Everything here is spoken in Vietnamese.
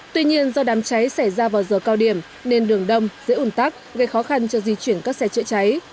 tuy nhiên do đám cháy xảy ra vào giờ cao điểm nên đường đông dễ ủn tắc gây khó khăn cho di chuyển các xe chữa cháy